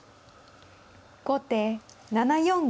後手７四銀。